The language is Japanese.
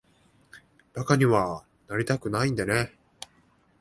馬鹿にはなりたくないんでね。